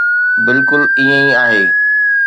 بلڪل ائين ئي آهي.